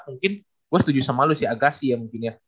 mungkin gue setuju sama lu sih agassi ya mungkin ya